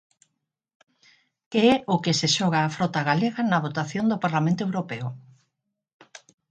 Que é o que se xoga a frota galega na votación do Parlamento Europeo?